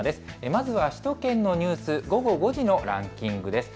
まずは首都圏のニュース、午後５時のランキングです。